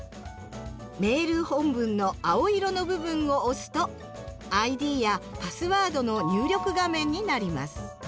メール本文の青色の部分を押すとＩＤやパスワードの入力画面になります。